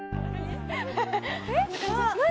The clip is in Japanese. えっ？何？